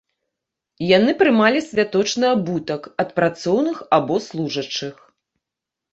Яны прымалі святочны абутак ад працоўных або служачых.